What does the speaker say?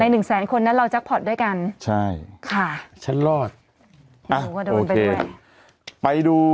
ในหนึ่งแสนคนนั้นเราจะพอดด้วยกันใช่ค่ะฉันรอดอะโอเคไปดู